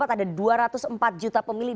ada dua ratus empat juta pemilih